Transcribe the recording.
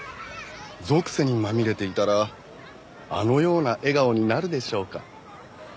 俗世にまみれていたらあのような笑顔になるでしょうか？